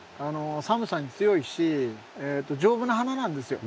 寒さに強いし丈夫な花なんですよ。